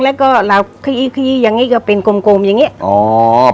แล้วก็เราขยียังงี้ก็เป็นกลมอย่างเงี้ย